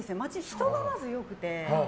人がまず良くて。